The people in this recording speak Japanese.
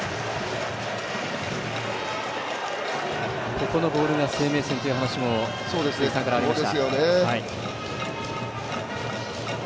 ここのボールが生命線という話も鈴木さんからありました。